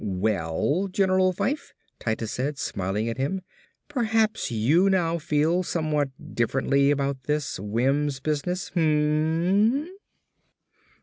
"Well, General Fyfe," Titus said, smiling at him, "perhaps you now feel somewhat differently about this Wims business, hm m m?"